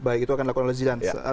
baik itu akan dilakukan oleh zizan